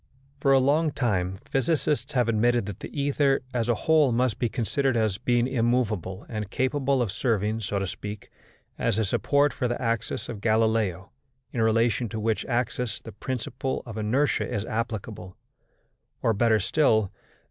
For a long time physicists have admitted that the ether as a whole must be considered as being immovable and capable of serving, so to speak, as a support for the axes of Galileo, in relation to which axes the principle of inertia is applicable, or better still, as M.